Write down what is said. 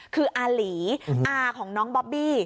คืออาหลีอาของน้องบอบบี้